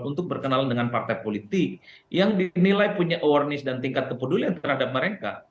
untuk berkenalan dengan partai politik yang dinilai punya awareness dan tingkat kepedulian terhadap mereka